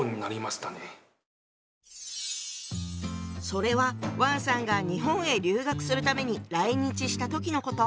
それは王さんが日本へ留学するために来日した時のこと。